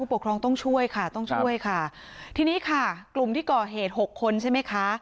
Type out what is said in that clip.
ปกครองต้องช่วยค่ะต้องช่วยค่ะทีนี้ค่ะกลุ่มที่ก่อเหตุหกคนใช่ไหมคะ